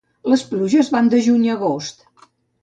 Les pluges van de juny a agost.